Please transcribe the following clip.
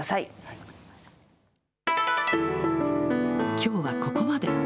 きょうはここまで。